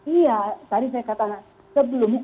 iya tadi saya katakan